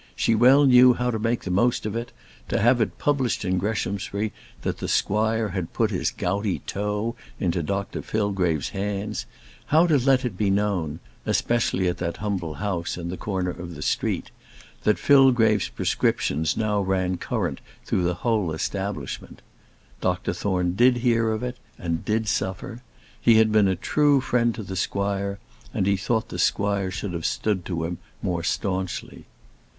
She well knew how to make the most of it; to have it published in Greshamsbury that the squire had put his gouty toe into Dr Fillgrave's hands; how to let it be known especially at that humble house in the corner of the street that Fillgrave's prescriptions now ran current through the whole establishment. Dr Thorne did hear of it, and did suffer. He had been a true friend to the squire, and he thought the squire should have stood to him more staunchly.